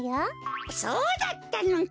そうだったのか！